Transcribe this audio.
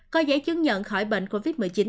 có giấy chứng nhận khỏi bệnh covid một mươi chín